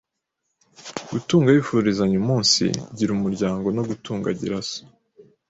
gutunga wifurizanya umunsigira umuryango no gutunga Gira so,